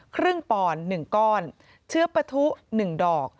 ครึ่งป่อน๑ก้อนเชื้อประทุ๑ดอก